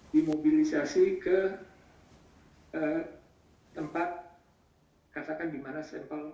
dimobilisasi ke tempat katakan dimana sampel